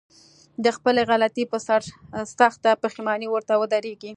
د خپلې غلطي په سر سخته پښېماني ورته ودرېږي.